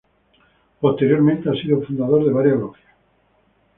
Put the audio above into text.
Posteriormente ha sido fundador de varias logias.